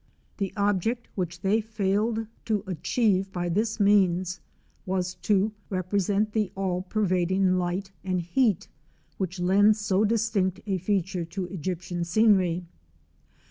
The object which they failed to achieve by this means was to represent the all pervading light and heat, which lend so distinct a feature to Egyptian scenery.